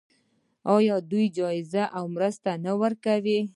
آیا دوی جایزې او مرستې نه ورکوي؟